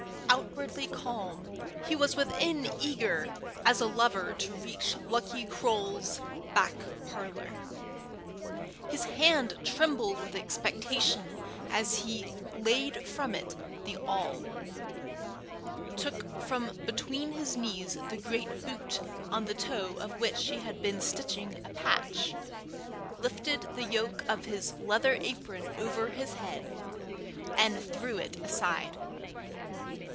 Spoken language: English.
Outwardly calm, he was within eager as a lover to reach Lucky Croale's back parlour. His hand trembled with expectation as he laid from it the awl, took from between his knees the great boot on the toe of which he had been stitching a patch, lifted the yoke of his leather apron over his head, and threw it aside.